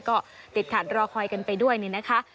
ก็ติดขัดรอคอยกันไปด้วยนี่นะคะ